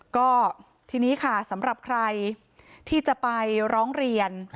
ก็ทีนี้ค่ะสำหรับใครที่จะไปร้องเรียน